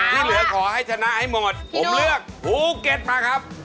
ที่เหลือขอให้ชนะให้หมดผมเลือกภูเก็ตมาครับ